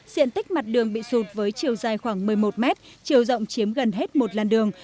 diện tích mặt đường bị sụt với chiều dài khoảng một mươi một mét chiều rộng chiếm gần hết một làn đường